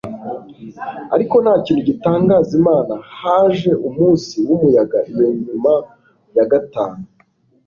ariko nta kintu gitangaza imana. haje umunsi wumuyaga iyo nyuma ya gatanu